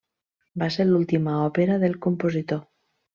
Va ser l'última òpera del compositor.